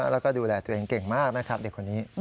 แล้วก็ดูแลตัวเองเก่งมากนะครับเด็กคนนี้